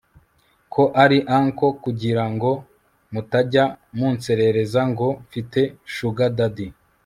ko ari uncle kugira ngo mutajya munserereza ngo mfite shuga dadi